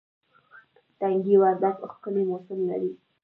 تنگي وردک ښکلی موسم لري